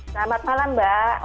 selamat malam mbak